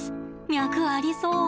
脈ありそう。